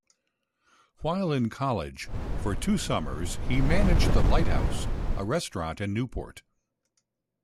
While in college, for two summers he managed The Lighthouse, a restaurant in Newport.